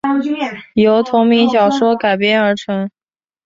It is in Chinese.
由同名小说改编而成。